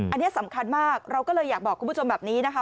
อันนี้สำคัญมากเราก็เลยอยากบอกคุณผู้ชมแบบนี้นะคะ